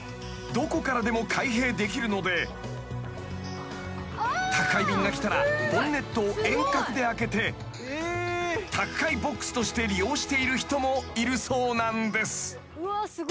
［どこからでも開閉できるので宅配便が来たらボンネットを遠隔で開けて宅配ボックスとして利用している人もいるそうなんです］